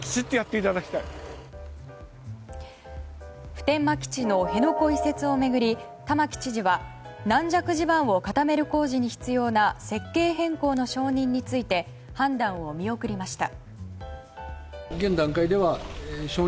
普天間基地の辺野古移設を巡り玉城知事は軟弱地盤を固める工事に必要な設計変更の承認について判断を見送りました。